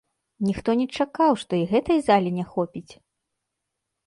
Ніхто не чакаў, што і гэтай залі не хопіць!